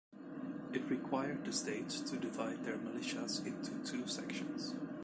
It required the states to divide their militias into two sections.